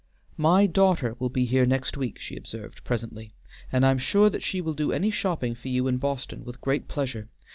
"My daughter will be here next week," she observed, presently, "and I'm sure that she will do any shopping for you in Boston with great pleasure.